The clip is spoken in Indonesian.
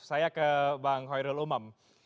saya ke bang hoirul umam